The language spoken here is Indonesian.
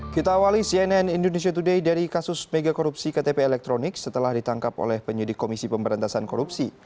kita awali cnn indonesia today dari kasus mega korupsi ktp elektronik setelah ditangkap oleh penyidik komisi pemberantasan korupsi